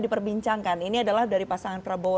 diperbincangkan ini adalah dari pasangan prabowo